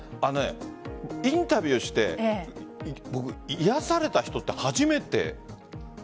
インタビューして僕、癒やされた人は初めて。